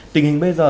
tình hình bây giờ